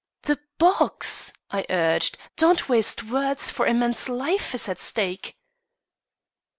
"The box!" I urged; "the box! Don't waste words, for a man's life is at stake."